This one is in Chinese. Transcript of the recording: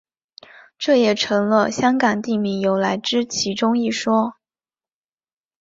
这也成了香港地名由来之其中一说。